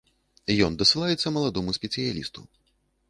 Ён дасылаецца маладому спецыялісту.